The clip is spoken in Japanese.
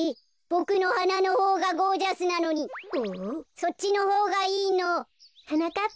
ボクのはなのほうがゴージャスなのにそっちのほうがいいの？はなかっ